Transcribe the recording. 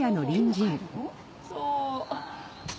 そう。